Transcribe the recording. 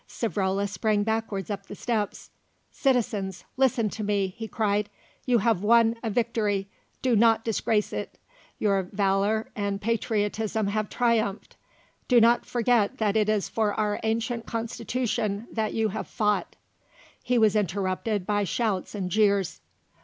Savrola sprang backwards up the steps. "Citizens, listen to me!" he cried. "You have won a victory; do not disgrace it. Your valour and patriotism have triumphed; do not forget that it is for our ancient Constitution that you have fought." He was interrupted by shouts and jeers.